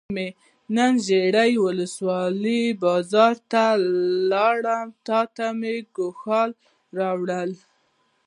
جان مې نن ژرۍ ولسوالۍ بازار ته لاړم او تاته مې ګوښال راوړل.